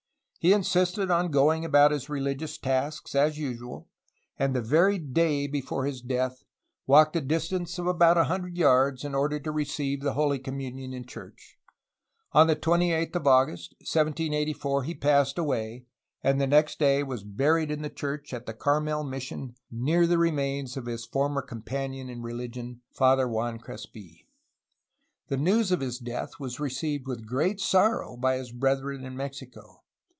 He insisted upon going about his religious tasks as usual, and the very day before his death walked a distance of about a hundred yards in order to receive the Holy Communion in church. On the 28th of August 1784 he passed away, and next day was buried in the church at JUNlPERO SERRA 363 the Caxmel mission near the remains of his former com panion in reUgion, Father Juan Crespi. The news of his death was received with great sorrow by his brethren in Mexico.